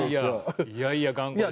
いやいや、頑固ですよ。